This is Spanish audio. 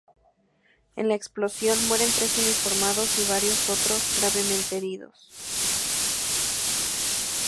En la explosión, mueren tres uniformados y varios otros son gravemente heridos.